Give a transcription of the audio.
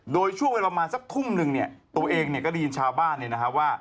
โดยช่วงไปประมาณสักทุ่มหนึ่งตัวเองก็ได้ยินชาวบ้านเนี่ยนะครับว่า